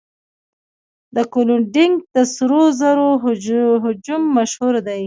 د کلونډیک د سرو زرو هجوم مشهور دی.